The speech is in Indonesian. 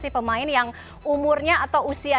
saya pertama kali datang ke indonesia